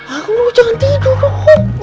aduh jangan tidur dong